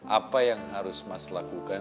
apa yang harus mas lakukan